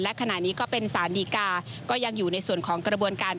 และขณะนี้ก็เป็นสารดีกาก็ยังอยู่ในส่วนของกระบวนการ